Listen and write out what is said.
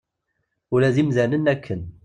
Ula d imdanen akken.